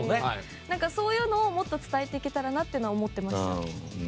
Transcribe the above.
そういうのをもっと伝えていけたらなっていうのは思ってます。